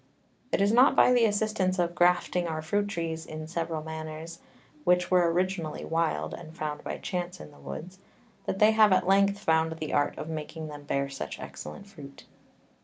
Is it not by the assistance of grafting our Fruit Trees in several manners, (which were originally wild, and found by chance in the Woods) that they have at length found the Art of making them bear such excellent Fruit?